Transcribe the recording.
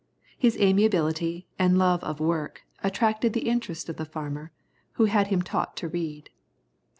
His amiability, and love of work, attracted the interest of the farmer, who had him taught to read.